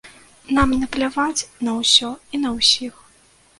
Нам напляваць на ўсё і на ўсіх.